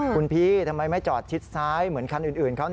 คุณพี่ทำไมไม่จอดชิดซ้ายเหมือนคันอื่นเขา